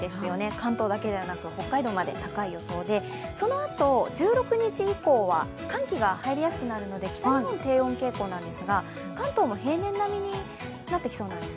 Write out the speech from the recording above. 関東だけではなく北海道まで高い良そうでそのあと１６日以降は寒気が入りやすくなるので北日本、低温傾向なんですが、関東も平年並みになってきそうなんです。